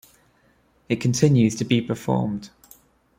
It continues to be performed.